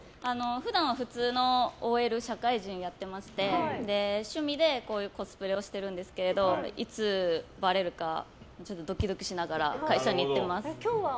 普段は普通のＯＬ社会人やってまして趣味でコスプレをしているんですけどいつばれるかドキドキしながら会社に行ってます。